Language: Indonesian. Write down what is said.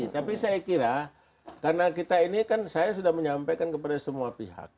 tapi saya kira karena kita ini kan saya sudah menyampaikan kepada semua pihak